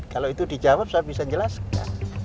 kalau itu dijawab saya bisa jelaskan